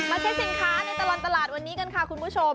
เช็คสินค้าในตลอดตลาดวันนี้กันค่ะคุณผู้ชม